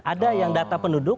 ada yang data penduduk